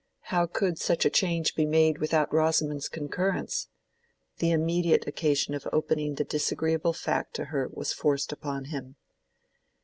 How could such a change be made without Rosamond's concurrence? The immediate occasion of opening the disagreeable fact to her was forced upon him.